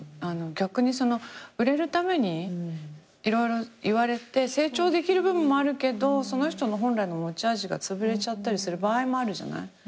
逆に売れるために色々言われて成長できる部分もあるけどその人の本来の持ち味がつぶれちゃったりする場合もあるじゃない？